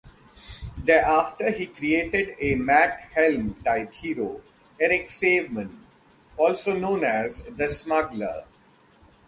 Thereafter, he created a Matt Helm-type hero, Eric Saveman, also known as The Smuggler.